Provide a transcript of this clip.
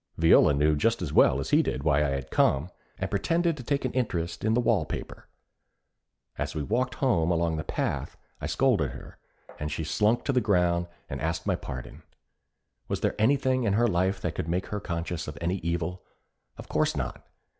Viola knew just as well as he did why I had come, and pretended to take an interest in the wall paper. As we walked home along the path, I scolded her, and she slunk to the ground and asked my pardon. Was there anything in her life that could make her conscious of any evil? Of course not.